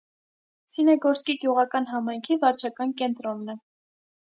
Սինեգորսկի գյուղական համայնքի վարչական կենտրոնն է։